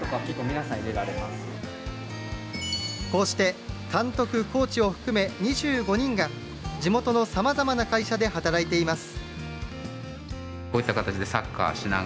こうして監督、コーチを含め２５人が地元のさまざまな会社で働いています。